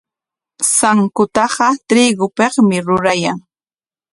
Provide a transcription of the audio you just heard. Sankutaqa trigopikmi rurayan.